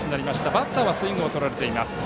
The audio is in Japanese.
バッターはスイングを取られています。